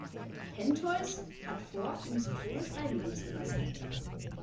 Pentheus hat vor, ihn zu Tode steinigen zu lassen.